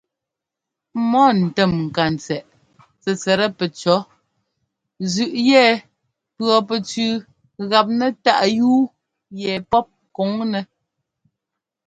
Mɔ ntɛ́mŋkatsɛꞌ tsɛtsɛt pɛcɔ̌ zʉꞌ yɛ pʉɔpɛtsʉʉ gap nɛ táꞌ yúu yɛ pɔ́p kɔŋnɛ́.